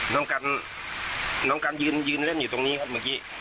น้องกันน้องกันยืนเล่นอยู่ตรงนี้ครับเมื่อกี้